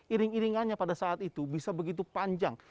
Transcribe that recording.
iring iringannya pada saat itu bisa begitu panjang